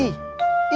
ibarat gunung es